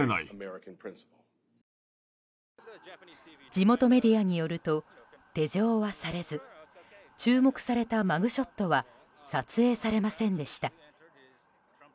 地元メディアによると手錠はされず注目されたマグショットは撮影されませんでした。